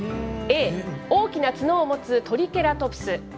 Ａ、大きな角を持つトリケラトプス。